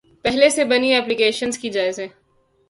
پہلے سے بنی ایپلی کیشنز کے جائزے